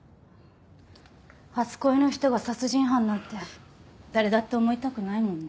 初恋の人が殺人犯なんて誰だって思いたくないもんね。